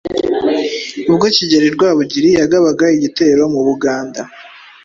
Ubwo Kigeli Rwabugili yagabaga igitero mu Buganda